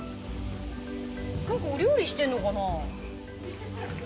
何かお料理してるのかな？